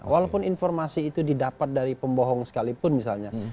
walaupun informasi itu didapat dari pembohong sekalipun misalnya